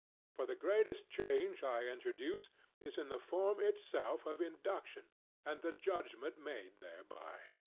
But the greatest change I introduce is in the form itself of induction and the judgment made thereby.